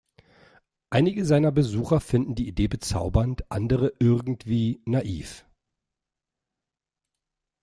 Einige seiner Besucher finden die Idee bezaubernd, andere irgendwie naiv.